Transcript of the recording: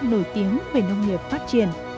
nổi tiếng về nông nghiệp phát triển